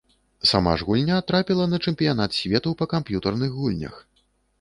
Сама ж гульня трапіла на чэмпіянат свету па камп'ютарных гульнях.